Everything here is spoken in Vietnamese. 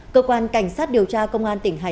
cơ quan cảnh sát điều tra công an tỉnh hà nam